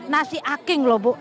nasi aking loh bu